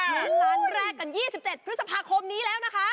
เป็นล้านแรกกัน๒๗พฤษภาคมนี้แล้วนะคะ